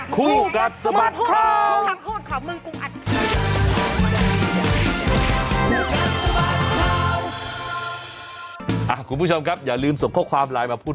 กูมีคลิปเสียงมึงด่าแม่กู